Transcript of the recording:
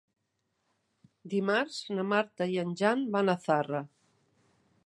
Dimarts na Marta i en Jan van a Zarra.